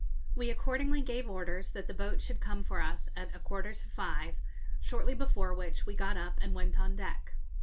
We accordingly gave orders that the boat should come for us at a quarter to five, shortly before which we got up and went on deck.